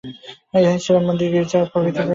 ইহাই ছিল মন্দির গীর্জা প্রভৃতির প্রকৃত উদ্দেশ্য।